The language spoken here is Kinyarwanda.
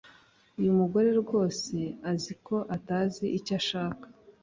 Uyu mugore rwose azi ko atazi icyo ashaka